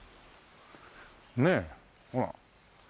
ねえほら。